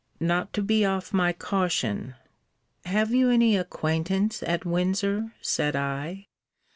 Not to be off my caution. Have you any acquaintance at Windsor? said I.